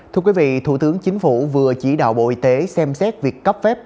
thưa quý vị thủ tướng chính phủ vừa chỉ đạo bộ y tế xem xét việc cấp phép